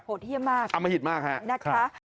โหเที่ยมมากอมหิตมากฮะ